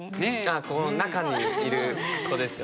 ああこの中にいる子ですよね。